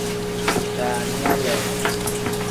Daaninga lee.